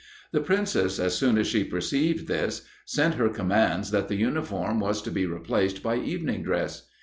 The Princess, as soon as she perceived this, sent her commands that the uniform was to be replaced by evening dress.